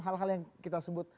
hal hal yang kita sebut